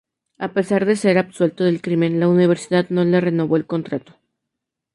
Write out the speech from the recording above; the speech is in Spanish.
A pesar de ser absuelto del crimen, la universidad no le renovó el contrato.